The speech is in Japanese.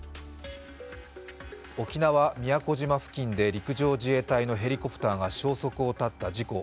沖縄宮古島付近で陸上自衛隊のヘリコプターが消息を絶った事故。